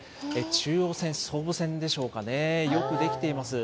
中央線、総武線でしょうかね、よく出来ています。